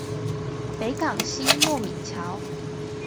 北港溪糯米橋